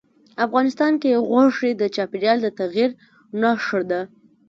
افغانستان کې غوښې د چاپېریال د تغیر نښه ده.